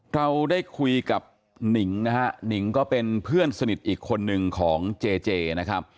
เราได้คุยกับหนิงนะฮะหนิงก็เป็นเพื่อนสนิทอีกคนนึงของเจเจนะครับ